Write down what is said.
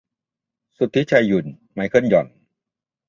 สุทธิชัย หยุ่น ไมเคิล หย่อน